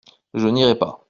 Je n’irai pas.